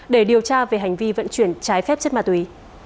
để điều tra về hành vi vận chuyển trái phép chất ma túy